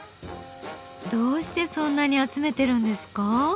どうしてそんなに集めてるんですか？